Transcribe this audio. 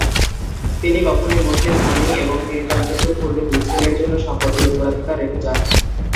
তিনি কখনই মুসলিম হননি এবং তিনি তার মৃত্যুর পূর্বে দুই ছেলের জন্য সম্পত্তির উত্তরাধিকার রেখে যান।